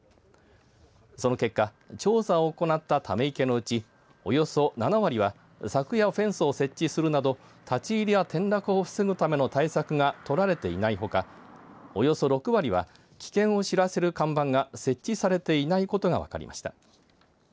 その結果、調査を行ったため池のうちおよそ７割は柵やフェンスを設置するなど立ち入りや転落を防ぐための対策が取られていないほかおよそ６割は危険を知らせる看板が設置されていないことが分かりました。